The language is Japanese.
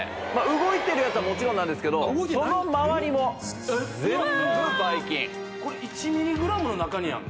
動いてるやつはもちろんなんですけどその周りも全部ばい菌これ１ｍｇの中にあんの？